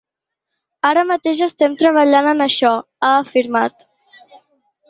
Ara mateix estem treballant en això, ha afirmat.